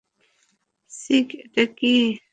Sick, এটা কী?